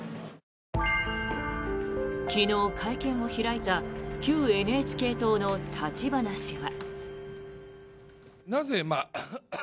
昨日、会見を開いた旧ＮＨＫ党の立花氏は。